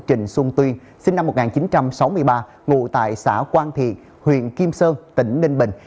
trình xuân tuyên sinh năm một nghìn chín trăm sáu mươi ba ngụ tại xã quang thiện huyện kim sơn tỉnh ninh bình